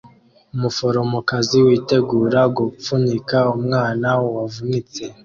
Umuforomokazi witegura gupfunyika umwana wavutse